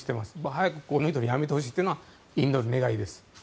早く辞めてほしいというのがインドの願いです。